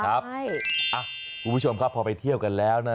คุณผู้ชมครับพอไปเที่ยวกันแล้วนะ